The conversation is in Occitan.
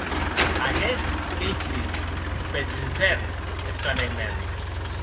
Aguest qu’ei Flint, peth lunfèrn!, exclamèc Merry.